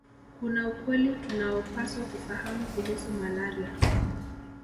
Kuna ukweli tunaopaswa kufahamu kuhusu malaria